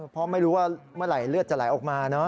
เพราะไม่รู้ว่าเมื่อไหร่เลือดจะไหลออกมา